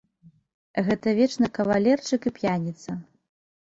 Гэта вечны кавалерчык і п'яніца.